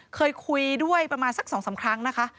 เคยคุยด้วยประมาณสัก๒๓ครั้งนะคะ